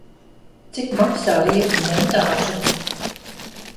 Cik maksā riepu montāža?